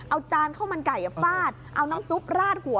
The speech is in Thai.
เอาจานข้าวมันไก่ฟาดเอาน้ำซุปราดหัว